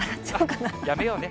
やめようね。